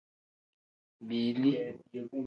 Biili.